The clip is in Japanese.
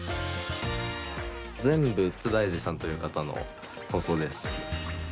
全部、津田英治さんという方の放送です。